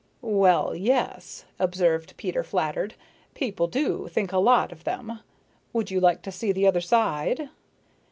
"Well, yes," observed Peter, flattered, "people do think a lot of them. Would you like to see the other side?"